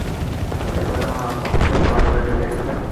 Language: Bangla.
এই প্রথম ওরা পরস্পরকে দেখেছে।